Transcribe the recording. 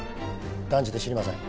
断じて知りません。